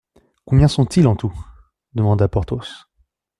Combien sont-ils en tout ? demanda Porthos.